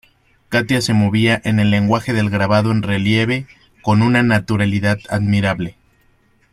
Katia se movía en el lenguaje del grabado en relieve con una naturalidad admirable.